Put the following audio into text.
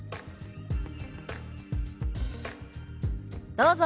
どうぞ。